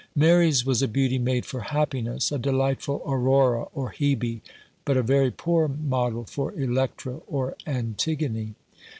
Mary's was a beauty made for happiness — a delightful Aurora or Hebe, but a very poor model for Electra or Antigone.